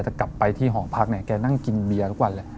จะกลับไปที่หอมพรักในแกนั่งกินเบียรถกวัน